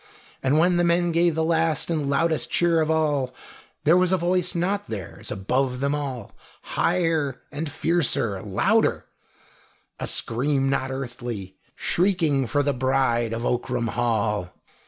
And when the men gave the last and loudest cheer of all there was a voice not theirs, above them all, higher, fiercer, louder a scream not earthly, shrieking for the bride of Ockram Hall.